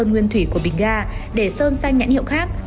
nguyên thủy của bình ga để sơn sang nhãn hiệu khác